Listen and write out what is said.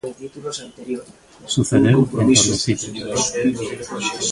Sucedeu en Tordesillas.